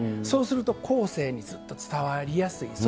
そうすると後世にずっと伝わりやすい。